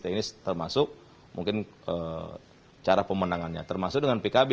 ini termasuk mungkin cara pemenangannya termasuk dengan pkb